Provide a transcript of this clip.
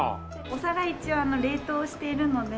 お皿一応冷凍しているので。